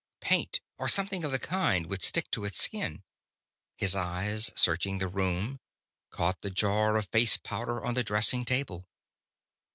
Paint, or something of the kind, would stick to its skin.... His eyes, searching the room, caught the jar of face powder on the dressing table.